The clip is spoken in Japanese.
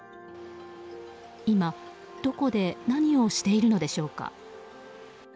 今、どこで何をしているのでしょうか。